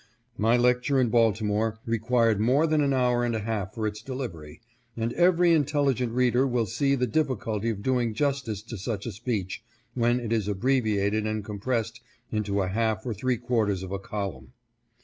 '' My lecture in Baltimore required more than an hour and a half for its delivery, and every intelligent reader will see the difficulty of doing justice to such a speech when it is abbreviated and compressed into a half or three quarters of a column.